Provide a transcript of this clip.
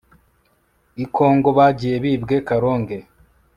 i kongo bagiye bibwe, kalonge